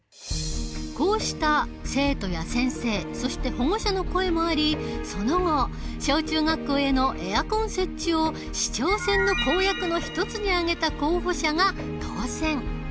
こうした生徒や先生そして保護者の声もありその後小中学校へのエアコン設置を市長選の公約の一つに挙げた候補者が当選。